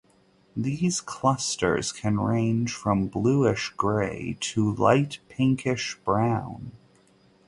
These clusters can range from bluish grey to light pinkish brown.